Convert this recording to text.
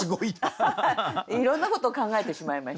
いろんなことを考えてしまいました。